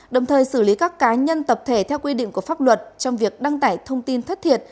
đồng thời xử lý các cá nhân tập thể theo quy định của pháp luật trong việc đăng tải thông tin thất thiệt